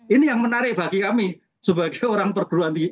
ini yang menarik bagi kami sebagai orang perguruan tinggi